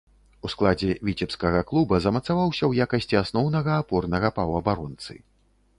У складзе віцебскага клуба замацаваўся ў якасці асноўнага апорнага паўабаронцы.